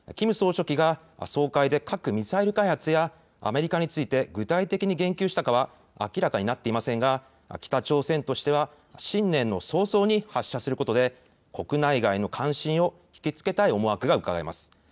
キム総書記が総会で核・ミサイル開発やアメリカについて具体的に言及したかは明らかになっていませんが北朝鮮としては新年の早々に発射することで国内外の関心を引き付けたい思惑がうかがえます。